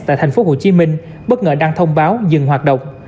tại tp hcm bất ngờ đang thông báo dừng hoạt động